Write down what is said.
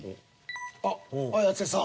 あっ綾瀬さん。